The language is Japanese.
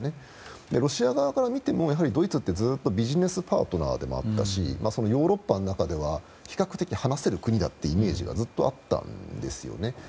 ロシア側から見てもドイツってずっとビジネスパートナーでもあったしヨーロッパの中では比較的話せる国だというイメージがずっとあったんですね。